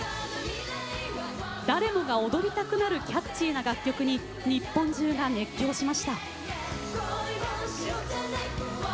誰もが踊りたくなるキャッチーな楽曲に日本中が熱狂しました。